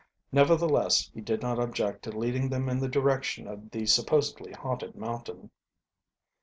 Nevertheless he did not object to leading them in the direction of the supposedly haunted mountain.